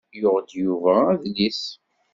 Yuɣ-d Yuba adlis.